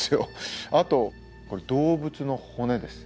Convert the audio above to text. あとこれ動物の骨です。